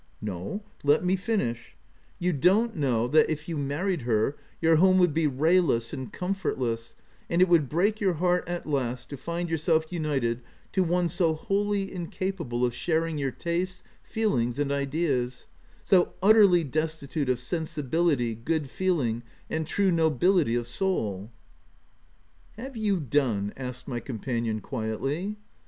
*.* No ; let me finish. — you don't know 182 THE TENANT that, if you married her, your home would be rayless and comfortless ; and it would break your heart at last to find yourself united to one so wholly incapable of sharing your tastes, feel ings, and ideas — so utterly destitute of sensi bility, good feeling, and true nobility of soul/' " Have you done V asked my companion quietly.